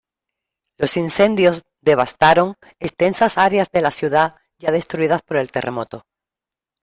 Los incendios devastaron extensas áreas de la ciudad ya destruidas por el terremoto.